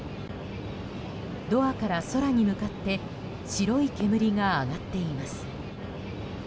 ドアから空に向かって白い煙が上がっています。